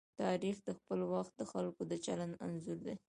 تاریخ د خپل وخت د خلکو د چلند انځور دی.